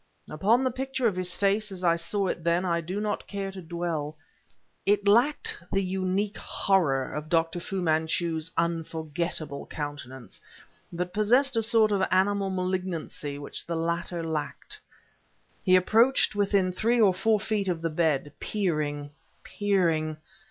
Upon the picture of his face as I saw it then, I do not care to dwell. It lacked the unique horror of Dr. Fu Manchu's unforgettable countenance, but possessed a sort of animal malignancy which the latter lacked... He approached within three or four feet of the bed, peering peering.